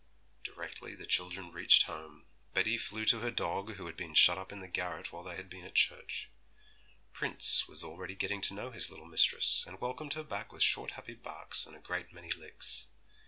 Directly the children reached home, Betty flew to her dog, who had been shut up in the garret whilst they had been at church. Prince was already getting to know his little mistress, and welcomed her back with short happy barks and a great many licks.